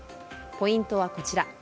ポイントはこちら。